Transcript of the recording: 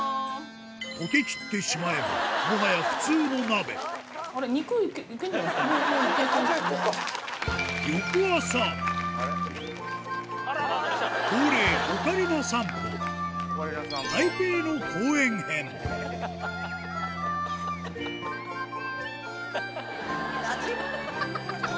溶けきってしまえばもはや恒例オカリナ散歩台北の公園編なじむね！